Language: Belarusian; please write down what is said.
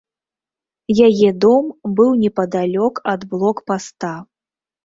Яе дом быў непадалёк ад блокпаста.